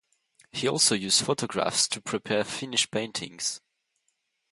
He also used photographs to prepare finished paintings.